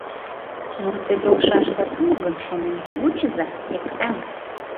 Вурседылшашда уло гын, шонем, вучыза, лектам.